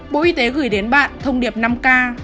bộ y tế gửi đến bạn thông điệp năm k